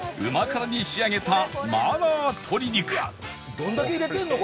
どんだけ入れてんの？